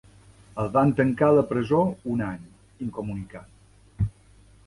El van tancar a la presó un any, incomunicat.